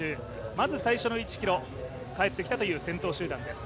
まず最初の１ｋｍ、帰ってきたという先頭集団です。